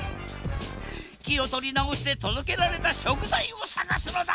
気を取り直して届けられた食材を探すのだ！